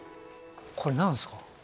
これ何ですか？